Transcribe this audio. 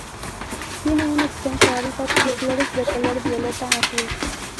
Tiene un extenso hábitat, y flores de color violeta-azul.